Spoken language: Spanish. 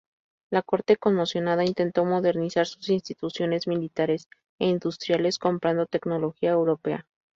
La corte conmocionada intentó modernizar sus instituciones militares e industriales comprando tecnología europea.